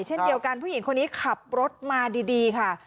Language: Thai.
เช่นเดียวกันผู้หญิงคนนี้ขับรถมาดีค่ะ